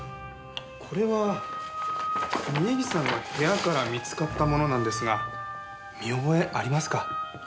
これは峰岸さんの部屋から見つかったものなんですが見覚えありますか？